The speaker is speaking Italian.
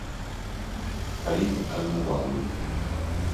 Khalid Al-Muwallid